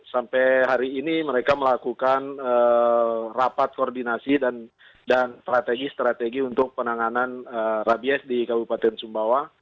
sampai hari ini mereka melakukan rapat koordinasi dan strategi strategi untuk penanganan rabies di kabupaten sumbawa